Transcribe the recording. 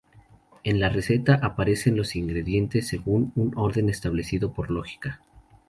En la receta aparecen los ingredientes según un orden establecido por lógica.